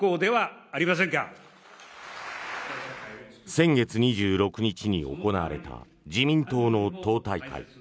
先月２６日に行われた自民党の党大会。